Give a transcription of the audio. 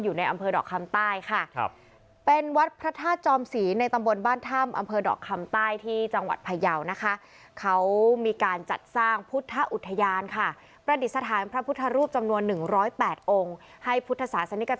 อยู่ในอำเภอดอกคำใต้ค่ะครับเป็นวัดพระทาส